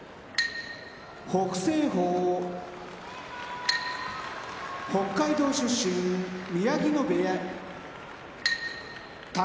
北青鵬北海道出身宮城野部屋宝